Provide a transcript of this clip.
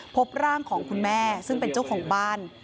พบร่างของคุณแม่ซึ่งเป็นเจ้าของบ้าน